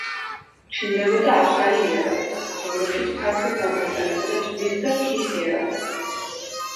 ჩნდებოდა ახალი იარაღებიც, რომლებშიც ფართოდ გამოიყენებოდა ძვლის და რქის იარაღები.